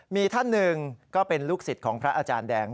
มีท่านหนึ่งก็เป็นลูกศิษย์ของพระอาจารย์แดง